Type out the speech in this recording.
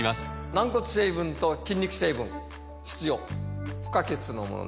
軟骨成分と筋肉成分必要不可欠のものです